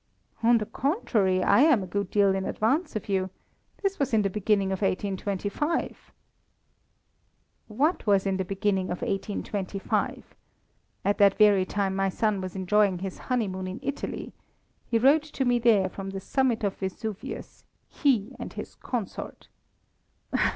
"On the contrary, I am a good deal in advance of you. This was in the beginning of 1825." "What was in the beginning of 1825? At that very time my son was enjoying his honeymoon in Italy. He wrote to me there, from the summit of Vesuvius he and his consort."